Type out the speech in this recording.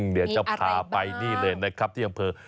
เดี๋ยวจะพาไปนี่เลยนะครับที่อำเภอ